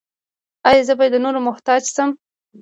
ایا زه به د نورو محتاج شم؟